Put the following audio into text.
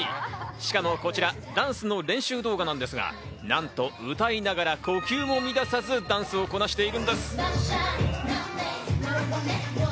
しかもこちらダンスの練習動画なんですが、なんと歌いながら呼吸も乱さずダンスをこなしているんです。